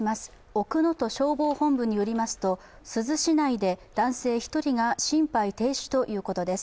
奥能登消防本部によりますと珠洲市内で男性１人が心肺停止ということです